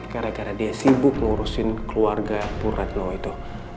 karena dia sibuk ngurusin keluarga puratno itu